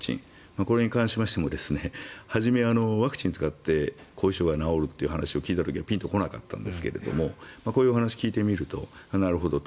これに関しましても初め、ワクチンを使って後遺症が治るという話を聞いた時はピンと来なかったんですがこういう話を聞いてみるとなるほどと。